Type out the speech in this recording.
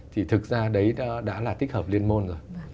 thì thực ra đấy đã là tích hợp liên môn rồi